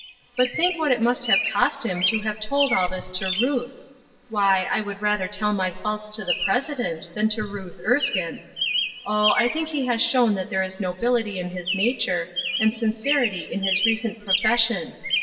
But think what it must have cost him to have told all this to Ruth ! Why, I wouhl rather tell my faults to the President than to Ruth Erskine ! Oh, I think he has shown that there is nobility in his nature, and sincerity in his recent profession.